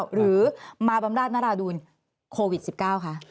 หรือมาบำราชนราดูลโควิด๑๙คะ